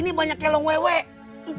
percaya orang tersebut